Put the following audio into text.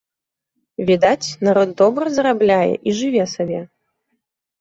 Відаць, народ добра зарабляе і жыве сабе.